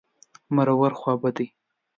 مرور... خوابدی.